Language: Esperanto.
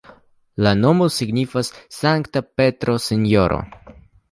La nomo signifas Sankta Petro-Sinjoro.